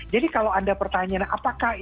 jadi kalau anda pertanyaan apakah itu